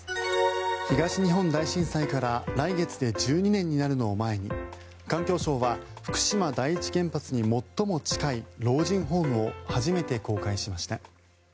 東日本大震災から来月で１２年になるのを前に環境省は福島第一原発に最も近い老人ホームを初めて公開しました。